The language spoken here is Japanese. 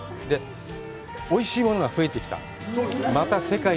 おいしいものが増えてきた。